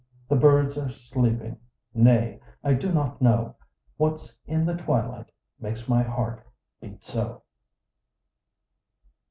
The birds are sleeping: nay, I do not know What's in the twilight, makes my heart beat so!